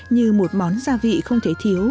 như một món gia vị không thể thiếu